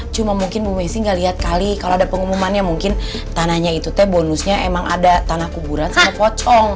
cuma mungkin bu messi gak lihat kali kalau ada pengumumannya mungkin tanahnya itu teh bonusnya emang ada tanah kuburan sama pocong